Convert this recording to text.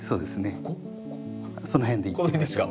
その辺でいってみましょう。